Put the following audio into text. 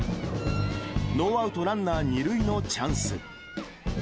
ノーアウトランナー２塁のチャンス。